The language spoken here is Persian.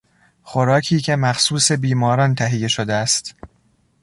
خوراکی که مخصوص بیماران تهیه شده است